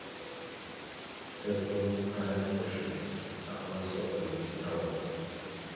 Several other stations are also on this tower.